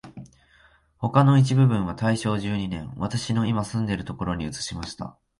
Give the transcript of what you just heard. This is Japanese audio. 他の一部分は大正十二年、私のいま住んでいるところに移しました